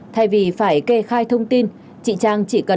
thay vì phải kê khai thông tin chị trang chỉ cần đăng ký thuê bao mới